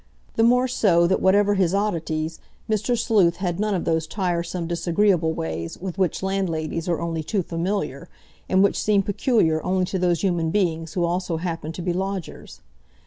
The more so that whatever his oddities Mr. Sleuth had none of those tiresome, disagreeable ways with which landladies are only too familiar, and which seem peculiar only to those human beings who also happen to be lodgers.